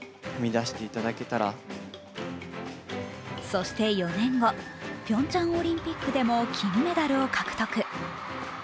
そして４年後、ピョンチャンオリンピックでも金メダルを獲得。